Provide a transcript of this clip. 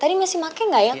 tadi masih make gak ya